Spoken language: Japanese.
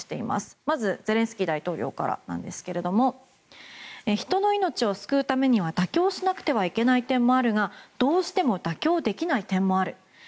まずゼレンスキー大統領からですが人の命を救うためには妥協しなくてはいけない点もあるがどうしても妥協できない点もある。